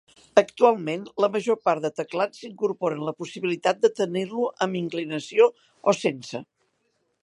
Actualment la major part de teclats incorporen la possibilitat de tenir-lo amb inclinació o sense.